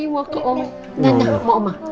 nggak jangan nggak mau oma